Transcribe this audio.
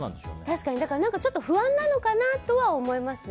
確かに、ちょっと不安なのかなとは思いますね。